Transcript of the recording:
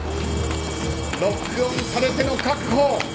ロックオンされての確保。